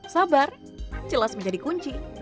sabar jelas menjadi kunci